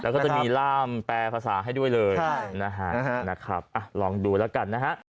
แล้วก็จะมีร่ามแปลภาษาให้ด้วยเลยนะฮะลองดูแล้วกันนะฮะ